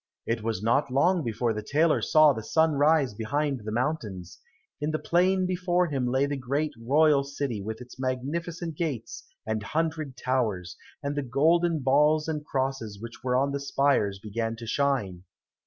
It was not long before the tailor saw the sun rise behind the mountains; in the plain before him lay the great royal city with its magnificent gates and hundred towers, and the golden balls and crosses which were on the spires began to shine.